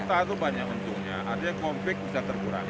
satu peta itu banyak untungnya artinya konflik bisa terkurangi